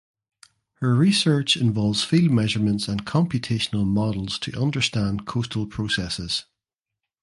Her research involves field measurements and computational models to understand coastal processes.